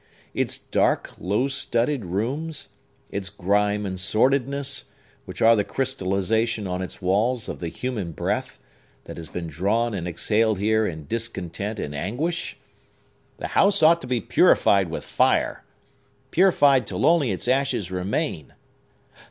—its dark, low studded rooms—its grime and sordidness, which are the crystallization on its walls of the human breath, that has been drawn and exhaled here in discontent and anguish? The house ought to be purified with fire,—purified till only its ashes remain!"